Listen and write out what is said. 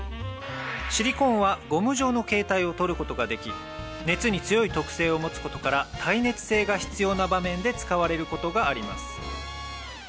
シリコーンはゴム状の形態をとることができ熱に強い特性を持つことから耐熱性が必要な場面で使われることがあります